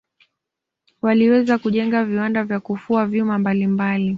waliweza kujenga viwanda vya kufua vyuma mbalimbali